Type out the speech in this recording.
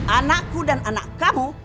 anakku dan anak kamu